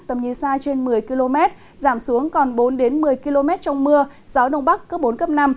tầm nhìn xa trên một mươi km giảm xuống còn bốn một mươi km trong mưa gió đông bắc cấp bốn năm